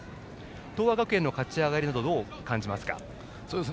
東亜学園の勝ち上がりなどどう感じますか？